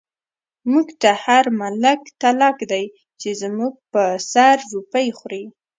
موږ ته هر ملک تلک دی، چۍ زموږ په سر روپۍ خوری